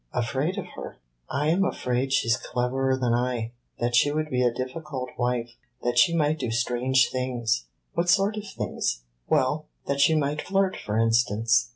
"Afraid of her?" "I am afraid she 's cleverer than I that she would be a difficult wife; that she might do strange things." "What sort of things?" "Well, that she might flirt, for instance."